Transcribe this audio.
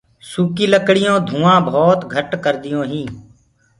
سوڪيٚ لڪڙيونٚ ڌوآنٚ ڀوت گھٽ ڪرديونٚ هينٚ۔